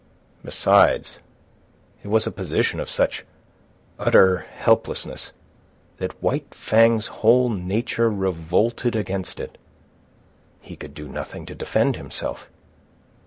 Besides, it was a position of such utter helplessness that White Fang's whole nature revolted against it. He could do nothing to defend himself.